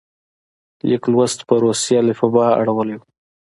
لیک لوست په روسي الفبا اړولی وو.